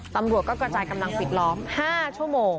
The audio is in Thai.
ตำรวจก็กระจายกำลังปิดล้อม๕ชั่วโมง